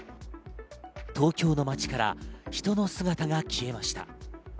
東京の街から人の姿が消えました。